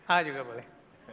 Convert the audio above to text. a juga boleh